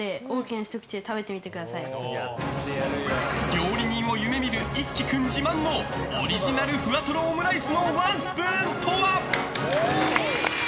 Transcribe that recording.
料理人を夢見る一輝君自慢のオリジナルふわとろオムライスのワンスプーンとは。